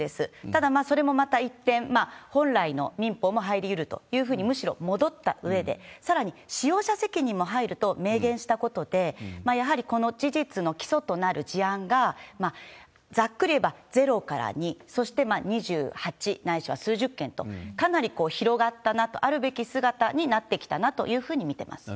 ただ、それもまた一転、本来の民法も入りうるというふうに、むしろ戻ったうえで、さらに使用者責任も入ると明言したことで、やはりこの事実の基礎となる事案が、ざっくり言えば０から２、そして２８、ないしは数十件と、かなり広がったなと、あるべき姿になってきたなというふうに見てます。